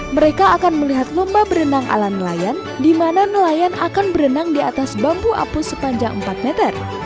mereka akan melihat lomba berenang ala nelayan di mana nelayan akan berenang di atas bambu apus sepanjang empat meter